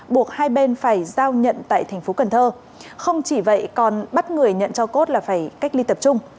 buộc hai bên phải giao nhận tại tp cn không chỉ vậy còn bắt người nhận cho cốt là phải cách ly tập trung